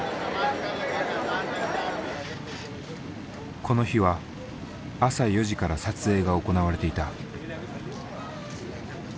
この日は朝４時から撮影が行われていた。